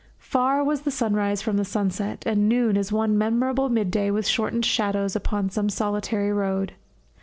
Far was the sunrise from the sunset, and noon is one memorable midday with shortened shadows upon some solitary road.